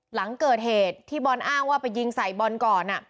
หลังเกิดเหตุที่บอลอ้างว่าไปยิงใส่บอลก่อน